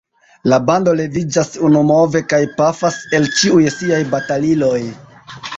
La bando leviĝas unumove kaj pafas el ĉiuj siaj bataliloj.